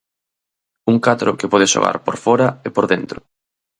Un catro que pode xogar por fóra e por dentro.